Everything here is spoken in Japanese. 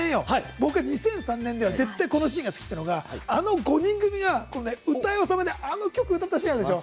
僕が２００３年では、絶対にこのシーン、好きだっていうのがあの５人組が、歌いおさめであの曲、歌ったシーンあるでしょ。